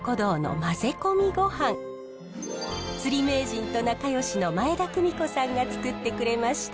釣り名人と仲良しの前田久美子さんが作ってくれました。